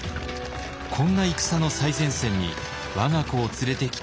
こんな戦の最前線に我が子を連れてきた信長。